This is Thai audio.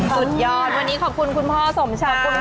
สุดยอดวันนี้ขอบคุณคุณพ่อสมชายคุณค่ะ